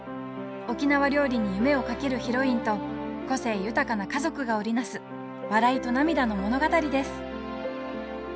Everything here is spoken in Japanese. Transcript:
沖縄料理に夢をかけるヒロインと個性豊かな家族が織り成す笑いと涙の物語です